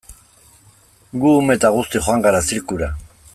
Gu ume eta guzti joan gara zirkura.